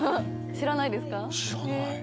知らない。